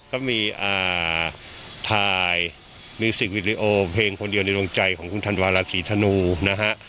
ก็มีถ่ายมิวสิกวิดีโอเพลงคนเดียวในดวงใจของคุณธันวาราศีธนูนะฮะ